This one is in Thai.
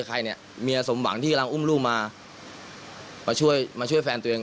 ใครเนี่ยเมียสมหวังที่กำลังอุ้มลูกมามาช่วยมาช่วยแฟนตัวเอง